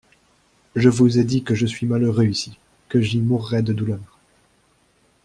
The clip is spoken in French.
Je vous ai dit que je suis malheureux ici, que j'y mourrais de douleur.